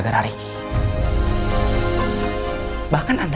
nah boring sekarang